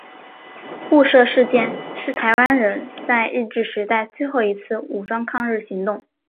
雾社事件是台湾人在日治时代最后一次武装抗日行动。